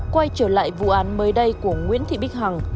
quay trở lại vụ án mới đây của nguyễn thị bích hằng